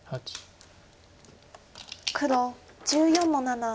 黒１４の七。